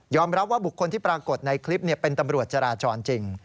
รับว่าบุคคลที่ปรากฏในคลิปเป็นตำรวจจราจรจริง